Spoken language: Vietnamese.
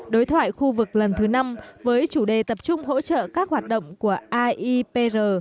đối thoại khu vực lần thứ năm với chủ đề tập trung hỗ trợ các hoạt động của aipr